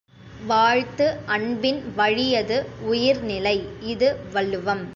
வாழ்த்து அன்பின் வழியது உயிர்நிலை! இது வள்ளுவம்.